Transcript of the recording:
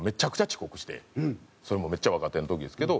それもめっちゃ若手の時ですけど。